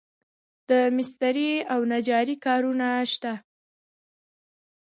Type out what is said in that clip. د مسترۍ او نجارۍ کارونه شته